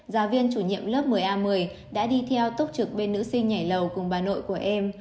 giáo viên chủ nhiệm lớp một mươi a một mươi đã đi theo tốc trực bên nữ sinh nhảy lầu cùng bà nội của em